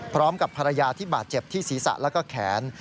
พร้อมกับภรรยาที่บาดเจ็บที่ศีรษะแล้วก็แขน